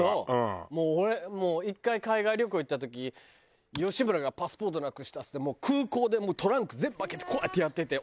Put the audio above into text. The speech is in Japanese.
もう俺１回海外旅行行った時吉村がパスポートなくしたっつって空港でトランク全部開けてこうやってやってて。